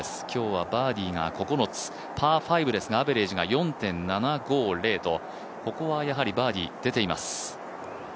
今日はバーディーが９つパー５ですが、アベレージが４．７５０とここはやはりバーディー、出ています。